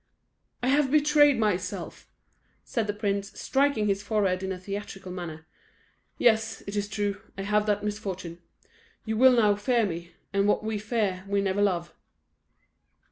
"I have betrayed myself!" said the prince, striking his forehead in a theatrical manner. "Yes, it is true, I have that misfortune. You will now fear me; and what we fear, we never love."